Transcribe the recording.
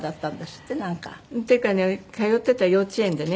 っていうかね通ってた幼稚園でね